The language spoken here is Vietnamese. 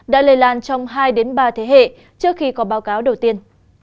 đã lây lan trong hai ba thế hệ trước khi có báo cáo đầu tiên